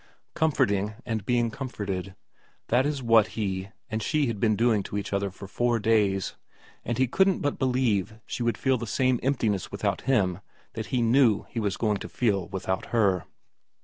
Comforting and being comforted, that is what he and she had been doing to each other for four days, and he couldn't but believe she would feel the same emptiness without him that he knew he was going to feel without her.